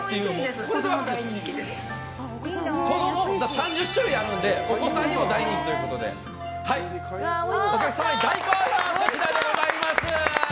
３０種類あるので子供にも大人気ということでお客様に大好評でございます。